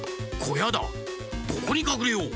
ここにかくれよう。